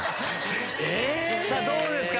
さぁどうですか？